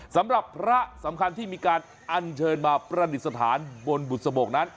สำหรับพระสำคัญที่มีการอัญเชิญมาประดิษฐานบนบุษบกนั้น